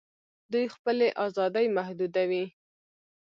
دوی خپلي آزادۍ محدودوي